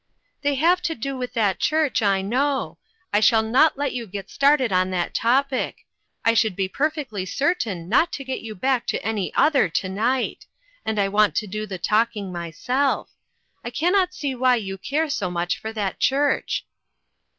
" They have to do with that church, I know. I shall not let you get started on that topic. I should be perfectly certain not to get you back to any other to night ; and I want to do the talking myself. I 33O INTERRUPTED. can not see why you care so much, for that church."